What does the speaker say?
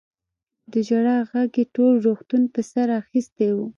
د ژړا غږ يې ټول روغتون په سر اخيستی و.